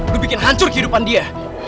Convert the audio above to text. lo bikin hancur kehidupan dia